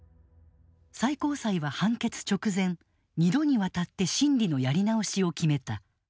最高裁は判決直前２度にわたって審理のやり直しを決めた。